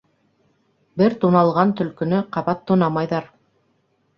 Бер туналған төлкөнө ҡабат тунамайҙар.